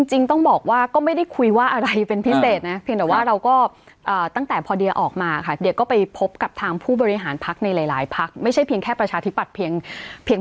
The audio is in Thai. จริงต้องบอกว่าก็ไม่ได้คุยว่าอะไรเป็นพิเศษนะเพียงแต่ว่าเราก็ตั้งแต่พอเดียออกมาค่ะเดียก็ไปพบกับทางผู้บริหารพักในหลายพักไม่ใช่เพียงแค่ประชาธิบัตย์เพียง